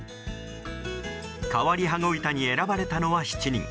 変わり羽子板に選ばれたのは７人。